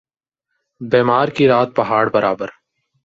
بیمار کی رات پہاڑ برابر